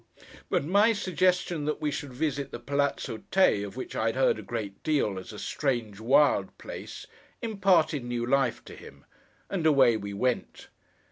But my suggestion that we should visit the Palazzo Tè (of which I had heard a great deal, as a strange wild place) imparted new life to him, and away we went.